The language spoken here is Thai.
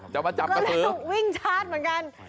ก็เลยต้องวิ่งชาร์จเหมือนกัน